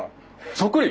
そっくり？